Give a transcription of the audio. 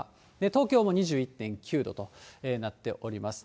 東京も２１．９度となっております。